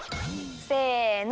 せの！